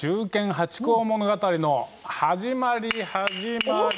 ハチ公物語の始まり始まり！